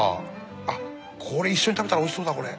あっこれ一緒に食べたらおいしそうだこれ。